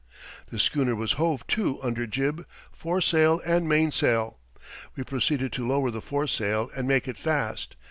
The schooner was hove to under jib, foresail and mainsail. We proceeded to lower the foresail and make it fast.